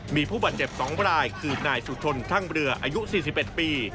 มีผู้บาดเจ็บ๒รายคือนายสุชนทั่งเรืออายุ๔๑ปี